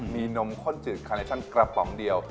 มีนมข้นจืดคาเนชั่นกระป๋องเดียว